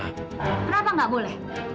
kenapa gak boleh